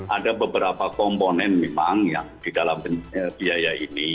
ada beberapa komponen memang yang di dalam biaya ini